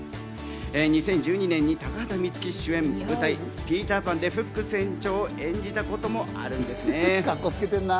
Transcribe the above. ２０１２年に高畑充希主演舞台『ピーター・パン』でフック船長を演じたこともあるんですね。